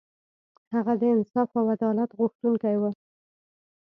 هغه د انصاف او عدالت غوښتونکی و.